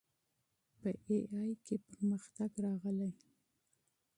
په اې ای کې پرمختګ راغلی.